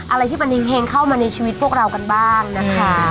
อะไรที่มันมีเพลงเข้ามาในชีวิตพวกเรากันบ้างนะคะ